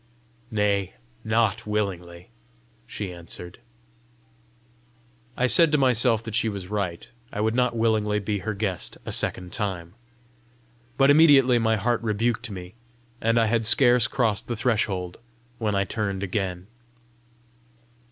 "Nay, NOT willingly!" she answered. I said to myself that she was right I would not willingly be her guest a second time! but immediately my heart rebuked me, and I had scarce crossed the threshold when I turned again.